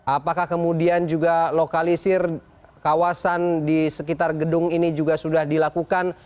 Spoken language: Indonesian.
apakah kemudian juga lokalisir kawasan di sekitar gedung ini juga sudah dilakukan